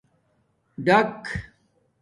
ڈݳک